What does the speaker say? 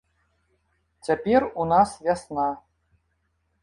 Цяпер у нас вясна.